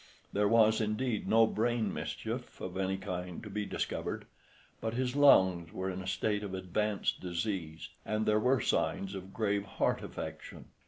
There was, indeed, no brain mischief of any kind to be discovered, but his lungs were in a state of advanced disease, and there were signs of grave heart affection.